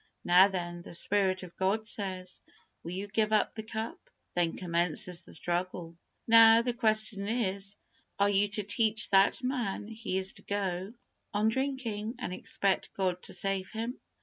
Now, then, the Spirit of God says, "Will you give up the cup?" Then commences the struggle. Now, the question is, are you to teach that man that he is to go on drinking, and expect God to save him?